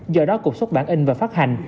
do đó cuộc xuất bản in và phát hành